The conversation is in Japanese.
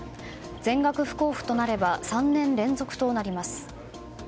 全額不交付となれば３年連続となります。